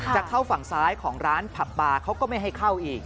จะเข้าฝั่งซ้ายของร้านผับบาร์เขาก็ไม่ให้เข้าอีก